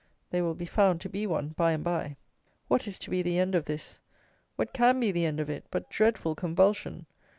THEY WILL BE FOUND TO BE ONE, BY AND BY. What is to be the end of this? What can be the end of it, but dreadful convulsion?